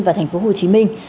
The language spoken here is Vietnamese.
và thành phố hồ chí minh